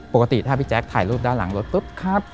ปกติถ้าพี่แจ๊คถ่ายรูปด้านหลังรถปุ๊บครับ